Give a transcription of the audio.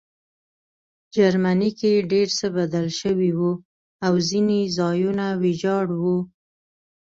جرمني کې ډېر څه بدل شوي وو او ځینې ځایونه ویجاړ وو